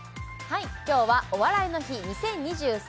今日は「お笑いの日２０２３」